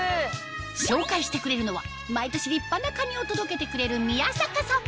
紹介してくれるのは毎年立派なカニを届けてくれる宮坂さん